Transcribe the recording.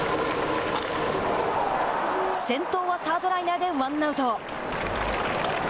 先頭はサードライナーでワンアウト。